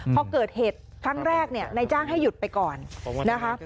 พอเกิดเหตุครั้งแรกเนี่ยนายจ้างให้หยุดไปก่อนนะคะ